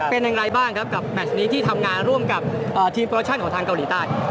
เป็นอย่างไรบ้างครับกับแมชนี้ที่ทำงานร่วมกับทีมโปรโมชั่นของทางเกาหลีใต้